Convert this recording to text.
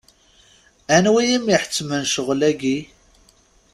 Anwi i m-iḥettmen ccɣel-agi?